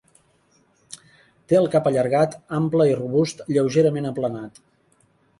Té el cap allargat, ample i robust, lleugerament aplanat.